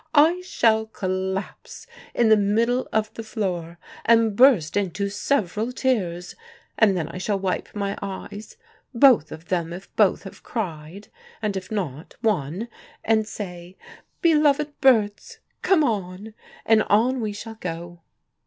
I shall collapse in the middle of the floor, and burst into several tears. And then I shall wipe my eyes, both of them if both have cried, and if not, one, and say, 'Beloved Berts, come on!' And on we shall go."